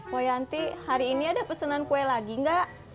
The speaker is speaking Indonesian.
woyanti hari ini ada pesenan kue lagi enggak